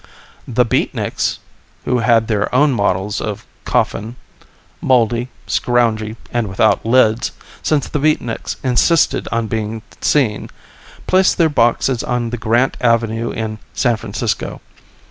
The Beatniks, who had their own models of coffin mouldy, scroungy, and without lids, since the Beatniks insisted on being seen placed their boxes on the Grant Avenue in San Francisco.